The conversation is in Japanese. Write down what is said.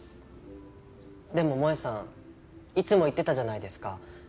でも萌さんいつも言ってたじゃないですか